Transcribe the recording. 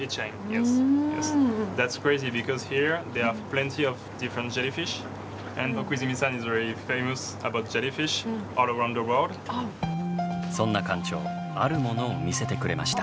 展示されているそんな館長あるものを見せてくれました。